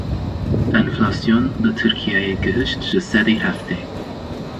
Enflasyon li Tirkiyeyê gihişt ji sedî heftê.